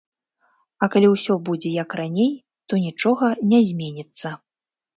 А калі ўсё будзе як раней, то нічога не зменіцца.